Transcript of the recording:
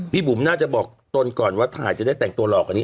บุ๋มน่าจะบอกตนก่อนว่าถ่ายจะได้แต่งตัวหล่อกว่านี้